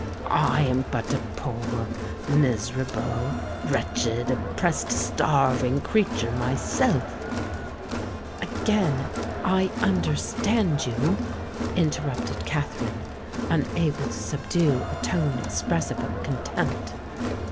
"I am but a poor—miserable—wretched—oppressed—starving creature myself——" "Again I understand you," interrupted Katherine, unable to subdue a tone expressive of contempt.